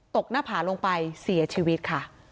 หน้าผาลงไปเสียชีวิตค่ะ